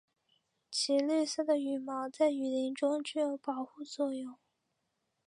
其绿色的羽毛在雨林中具有保护作用。